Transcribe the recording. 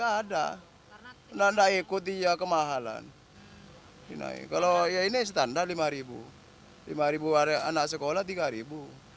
ada nanda ikut dia kemahalan hai ini kalau ya ini standar rp lima rp lima anak sekolah rp tiga